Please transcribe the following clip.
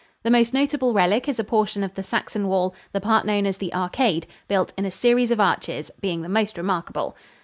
The most notable relic is a portion of the Saxon wall, the part known as the "Arcade," built in a series of arches, being the most remarkable.